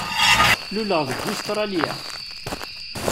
Luleɣ deg Ustṛalya.